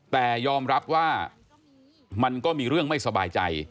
แต่ยอมรับว่ามันก็มีเรื่องไม่สบายใจ